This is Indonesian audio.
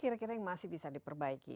kira kira yang masih bisa diperbaiki